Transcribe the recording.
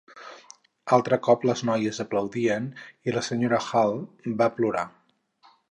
Altre cop les noies aplaudien i la senyora Hall va plorar.